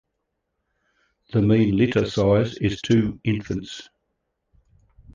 The mean litter size is two infants.